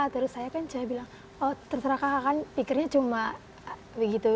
terus saya kan saya bilang oh terserah kakak kan pikirnya cuma begitu